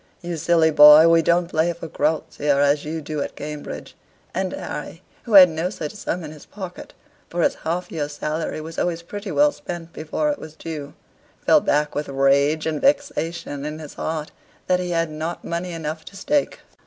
"You silly boy, we don't play for groats here as you do at Cambridge." And Harry, who had no such sum in his pocket (for his half year's salary was always pretty well spent before it was due), fell back with rage and vexation in his heart that he had not money enough to stake.